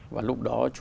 và lúc đó chủ tịch hội